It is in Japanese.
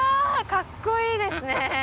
かっこいいですね